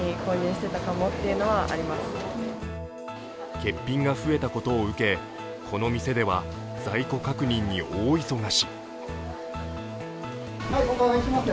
欠品が増えたことを受けこの店では在庫確認に大忙し。